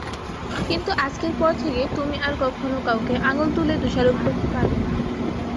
কিন্তু আজকের পর থেকে তুমি আর কখনও কাউকে আঙুল তুলে দোষারোপ করতে পারবে না।